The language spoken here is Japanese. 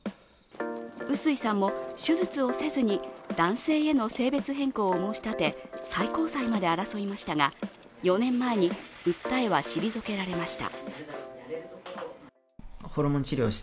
臼井さんも手術をせずに男性への性別変更を申し立て、最高裁まで争いましたが４年前に訴えは退けられました。